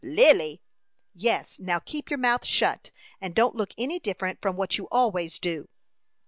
"Lily?" "Yes; now keep your mouth shut, and don't look any different from what you always do."